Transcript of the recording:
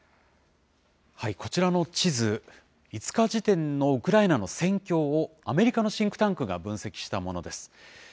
こちらの地図、５日時点のウクライナの戦況をアメリカのシンクタンクが分析したものです。